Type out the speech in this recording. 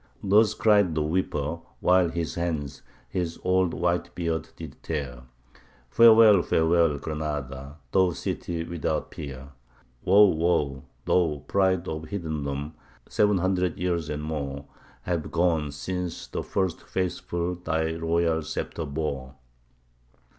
Thus cried the weeper, while his hands his old white beard did tear, Farewell, farewell, Granada! thou city without peer! Woe, woe, thou pride of heathendom! seven hundred years and more Have gone since first the faithful thy royal sceptre bore!